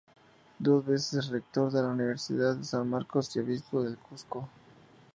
Dos veces rector de la Universidad de San Marcos y Obispo del Cuzco.